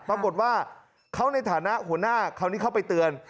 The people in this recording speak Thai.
ปรากฏว่าเขาในฐานะหัวหน้าคราวนี้เข้าไปเตือน